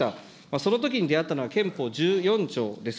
そのときに出会ったのが憲法１４条です。